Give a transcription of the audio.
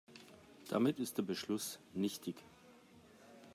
Damit ist der Beschluss nichtig.